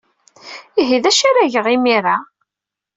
Ihi d acu ara geɣ imir-a?